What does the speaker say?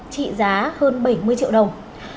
trị giá hơn bảy mươi triệu đồng